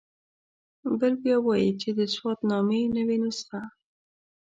بل بیا وایي چې د سوات نامې نوې نسخه.